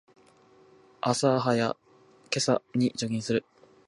早朝にジョギングする